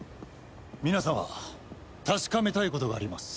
皆様確かめたいことがあります。